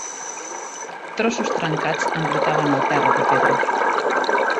Trossos trencats embrutaven el terra de pedra.